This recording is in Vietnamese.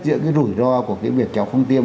giữa cái rủi ro của cái việc cháu không tiêm